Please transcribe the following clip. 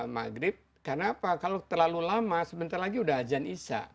maghrib karena apa kalau terlalu lama sebentar lagi udah azan isya